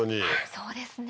そうですね。